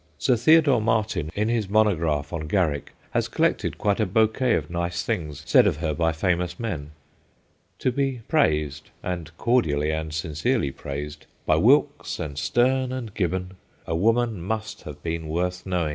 Sir Theodore Martin, in his monograph on Garrick, has collected quite a bouquet of nice things said of her by famous men. To be praised and cordially and sincerely praised by Wilkes and Sterne and Gibbon, a woman must have been worth knowing.